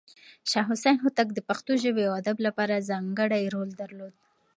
شاه حسين هوتک د پښتو ژبې او ادب لپاره ځانګړی رول درلود.